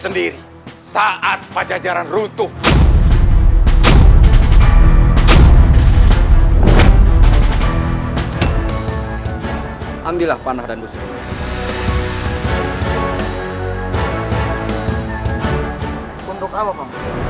sendiri saat pajajaran rutuh ambillah panah dan dusun untuk apa